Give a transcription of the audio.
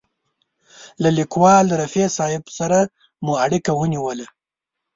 له لیکوال رفیع صاحب سره مو اړیکه ونیوله.